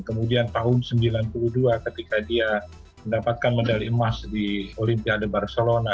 kemudian tahun seribu sembilan ratus sembilan puluh dua ketika dia mendapatkan medali emas di olympia de barcelona